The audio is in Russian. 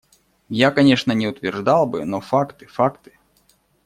Я, конечно, не утверждал бы, но факты… факты!